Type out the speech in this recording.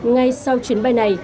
ngay sau chuyến bay này